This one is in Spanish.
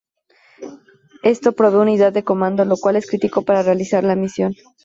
Esto provee unidad de comando, lo cual es crítico para realizar la misión.